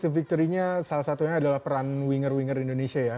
victory nya salah satunya adalah peran winger winger indonesia ya